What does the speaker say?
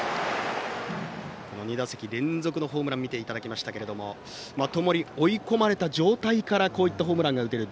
２打席連続のホームランを見ていただきましたがともに追い込まれた状態からホームランが打てる。